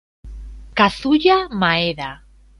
Kazuya Maeda